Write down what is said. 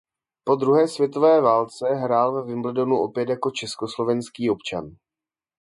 Po druhé světové válce hrál ve Wimbledonu opět jako československý občan.